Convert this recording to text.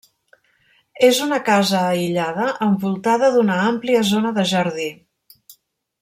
És una casa aïllada envoltada d'una àmplia zona de jardí.